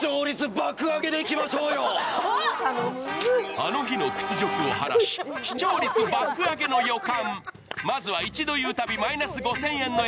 あの日の屈辱をはらし、視聴率爆上げの予感。